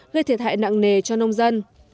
gây thiệt hại nặng nề cho nông dân